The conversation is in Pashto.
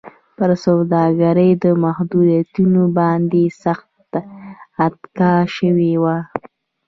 پر سوداګرۍ د محدودیتونو باندې سخته اتکا شوې وه.